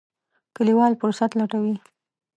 کلیوال فرصت لټوي.